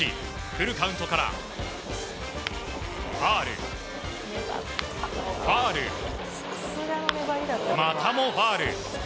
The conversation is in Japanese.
フルカウントからファウルファウル、またもファウル。